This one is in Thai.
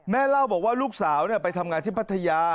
เล่าบอกว่าลูกสาวไปทำงานที่พัทยา